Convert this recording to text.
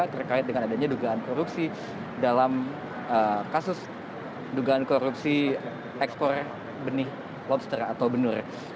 terkait dengan adanya dugaan korupsi dalam kasus dugaan korupsi ekspor benih lobster atau benur